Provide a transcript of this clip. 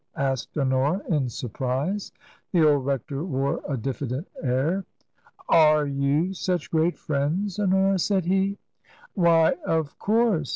asked Honora, in surprise. The old rector wore a diffident air. " Are you such great friends, Honora ?" said he. " Why ! Of course."